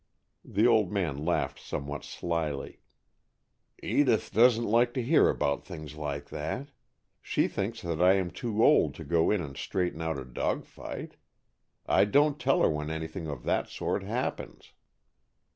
The old man laughed somewhat slyly. "Edith doesn't like to hear about things like that. She thinks that I am too old to go in and straighten out a dog fight. I don't tell her when anything of that sort happens."